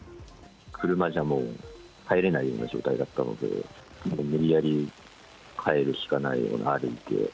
車じゃもう入れないような状態だったので、もう無理やり帰るしかないような、歩いて。